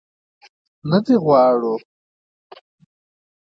نه دې غواړو.